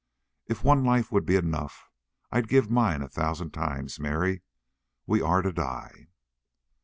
"If one life would be enough, I'd give mine a thousand times. Mary, we are to die."